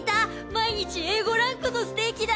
毎日Ａ５ランクのステーキだって。